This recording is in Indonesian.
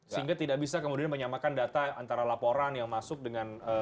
sehingga tidak bisa kemudian menyamakan data antara laporan yang masuk dengan